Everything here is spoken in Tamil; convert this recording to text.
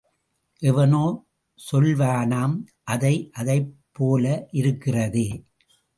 எவனோ சொல்வானாம் கதை அதைப் போல இருக்கிறதே!